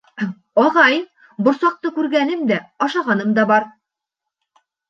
Ағай, борсаҡты күргәнем дә, ашағаным да бар.